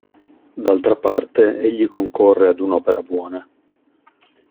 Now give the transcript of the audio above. D'altra parte, egli concorre ad un'opera buona.